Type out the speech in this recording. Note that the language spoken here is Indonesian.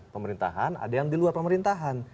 pemerintahan ada yang di luar pemerintahan